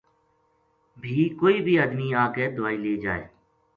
بھی کوئی بھی آدمی آ کے دوائی لے جائے